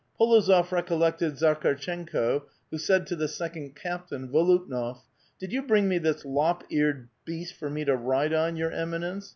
l*61ozof recollected Zakhartchenko, who said to the second captain, Volutnof : "Did you bring me this lop eared beast for me to ride on, your eminence?